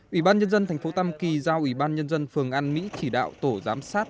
ủy ban nhân dân thành phố tam kỳ giao ủy ban nhân dân phường an mỹ chỉ đạo tổ giám sát